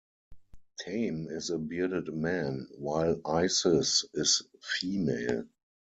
Thame is a bearded man, while Isis is female.